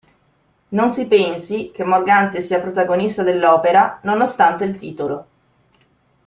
Non si pensi che Morgante sia il protagonista dell'opera, nonostante il titolo.